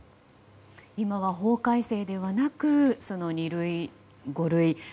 今は法改正ではなく二類、五類。